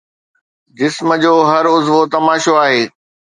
جسم جو هر عضوو تماشو آهي